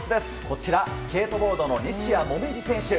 こちら、スケートボードの西矢椛選手。